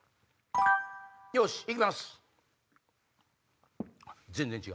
よし行きます！